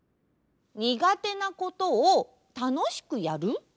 にがてなことをたのしくやる？